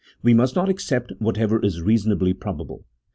We must not accept whatever is reasonably probable.